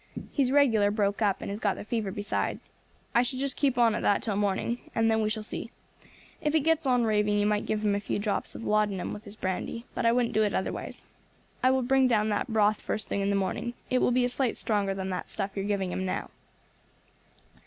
He's regular broke up, and has got the fever besides. I should just keep on at that till morning, and then we shall see; if he gets on raving you might give him a few drops of laudanum with his brandy, but I wouldn't do it otherwise. I will bring down that broth first thing in the morning, it will be a sight stronger than that stuff you are giving him now."